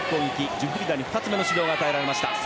ジュフリダに２つ目の指導が与えられました。